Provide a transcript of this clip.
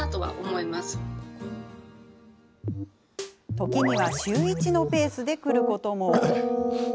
時には週１のペースでくることも。